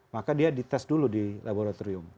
maka dia dites dulu di laboratorium